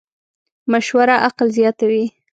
مشوره عقل زیاتوې.